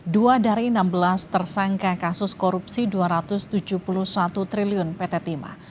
dua dari enam belas tersangka kasus korupsi rp dua ratus tujuh puluh satu triliun pt timah